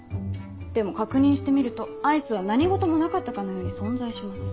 でも確認してみるとアイスは何事もなかったかのように存在します。